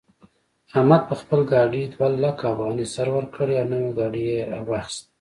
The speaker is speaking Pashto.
احمد په خپل ګاډي دوه لکه افغانۍ سر ورکړې او نوی ګاډی يې واخيست.